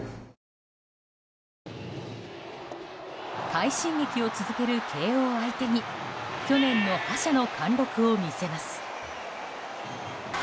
快進撃を続ける慶応相手に去年の覇者の貫録を見せます。